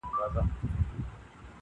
• پر خوبونو یې جگړې دي د خوارانو -